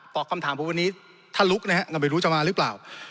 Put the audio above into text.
คำถามผมวันนี้ถ้าลุกนะฮะก็ไม่รู้จะมาหรือเปล่า